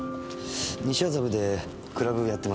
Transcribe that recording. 西麻布でクラブやってます。